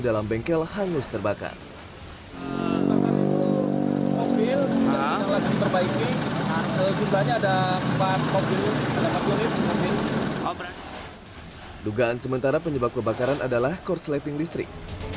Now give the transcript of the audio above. dalam bengkel hangus terbakar lukaan sementara penyebab kebakaran adalah korsleting listrik